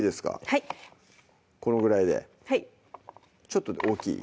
はいこのぐらいでちょっと大きい？